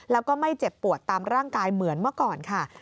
แล้วก็ไม่เจ็บปวดตามร่างกายเหมือนเมื่อก่อนค่ะ